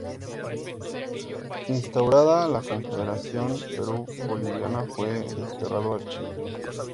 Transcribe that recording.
Instaurada la Confederación Perú-Boliviana, fue desterrado a Chile.